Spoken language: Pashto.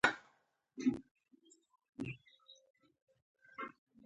درېیم لوبغاړی دولت دی.